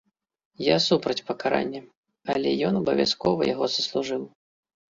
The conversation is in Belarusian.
Я супраць пакарання, але ён абавязкова яго заслужыў.